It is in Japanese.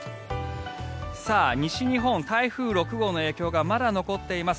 西日本、台風６号の影響がまだ残っています。